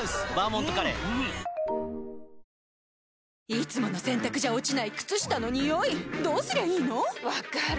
いつもの洗たくじゃ落ちない靴下のニオイどうすりゃいいの⁉分かる。